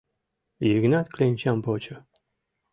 — Йыгнат кленчам почо.